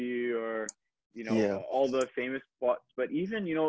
semua orang bilang tentang bali dan semua tempat yang terkenal